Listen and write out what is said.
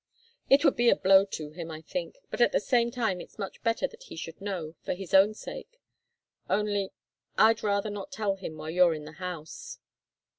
It would be a blow to him, I think, but at the same time it's much better that he should know, for his own sake. Only I'd rather not tell him while you're in the house."